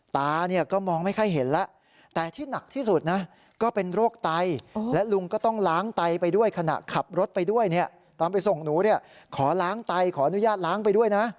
ตามไปส่งหนูเนี่ยขอล้างไตขออนุญาตล้างไปด้วยนะ